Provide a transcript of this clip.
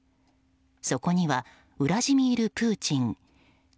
そこにはウラジーミル・プーチン